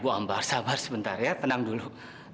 bu ambar sabar sebentar ya tenang dulu